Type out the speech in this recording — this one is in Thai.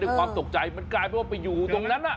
ความตกใจมันกลายเป็นว่าไปอยู่ตรงนั้น